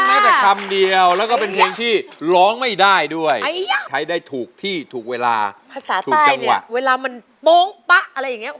เล้วมันจะร้องแม้คำเดียวและเป็นเพลงที่ร้องไม่ได้ด้วยใช้ได้ถูกที่ถูกเวลาภาษาใต้เวลามันโปร้งประอะไรอย่างงี้